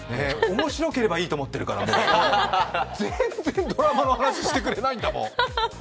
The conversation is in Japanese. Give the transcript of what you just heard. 面白ければいいと思ってるから、全然ドラマの話、してくれないんだもん。